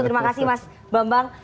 terima kasih mas bambang